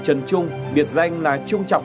trần trung biệt danh là trung chọc